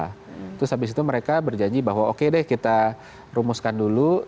terus habis itu mereka berjanji bahwa oke deh kita rumuskan dulu